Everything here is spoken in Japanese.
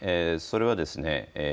それはですね